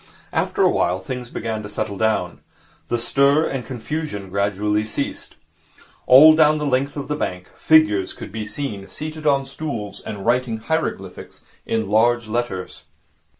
After a while things began to settle down. The stir and confusion gradually ceased. All down the length of the bank, figures could be seen, seated on stools and writing hieroglyphics in large letters.